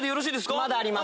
まだあります。